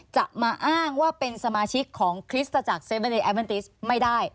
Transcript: จะมาอ้างว่าเป็นสมาชิกของคริสตจักรเซเวนติสไม่ได้